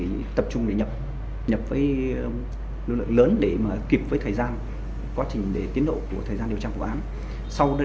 thì tập trung để nhập nhập với lực lượng lớn để mà kịp với thời gian quá trình để tiến độ của thời gian điều tra quản án